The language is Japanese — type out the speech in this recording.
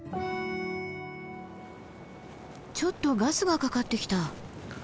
ちょっとガスがかかってきた。